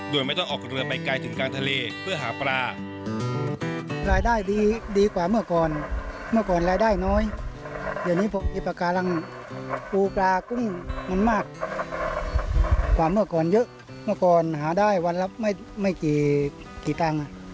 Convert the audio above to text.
โดยไม่ต้องออกเรือไปไกลถึงกลางทะเลเพื่อหาปลา